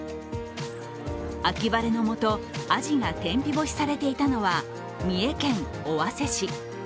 秋晴れのもと、アジが天日干しされていたのは三重県尾鷲市。